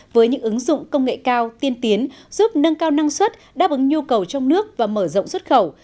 với những ứng dụng công nghệ cao tiên tiến giúp nâng cao năng suất đáp ứng nhu cầu trong nước và mở rộng xuất khẩu